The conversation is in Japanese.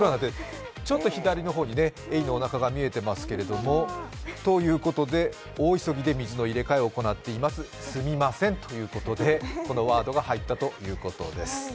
ちょっと左の方にエイのおなかが見えていますけれども、ということで大急ぎで水の入れ替えを行っています、スミませんということで、このワードが入ったということです。